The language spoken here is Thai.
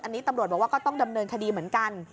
อันนี้ตำรวจบอกว่าก็ต้องดำเนินคดีเหมือนกัน